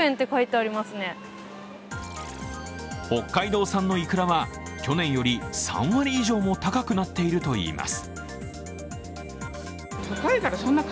北海道産のイクラは去年より３割以上も高くなっているといいます。